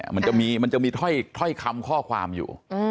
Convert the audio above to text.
มันจะมีมันจะมีถ้อยคำข้อความอยู่